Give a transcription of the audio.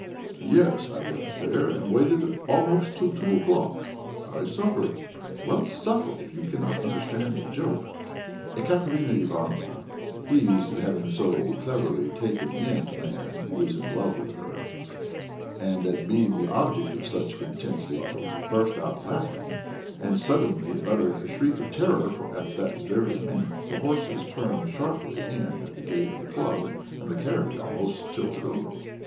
"Yes, I went there and waited almost till two o'clock. I suffered...." "Well, suffer, if you cannot understand a joke." Ekaterina Ivanovna, pleased at having so cleverly taken in a man who was in love with her, and at being the object of such intense love, burst out laughing and suddenly uttered a shriek of terror, for, at that very minute, the horses turned sharply in at the gate of the club, and the carriage almost tilted over.